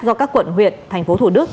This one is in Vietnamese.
do các quận huyện thành phố thủ đức